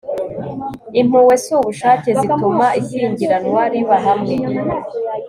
impuhwe, si ubushake, zituma ishyingiranwa riba hamwe